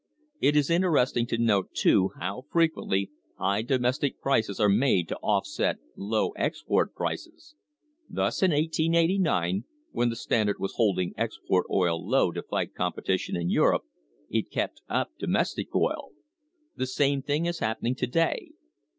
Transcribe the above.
It is interesting to note, too, how frequently high do mestic prices are made to offset low export prices; thus, in 1889, when the Standard was holding export oil low to fight competition in Europe, it kept up domestic oil. The same thing is happening to day.